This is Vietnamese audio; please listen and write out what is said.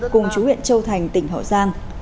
cùng chú huyện châu thành tỉnh hội giang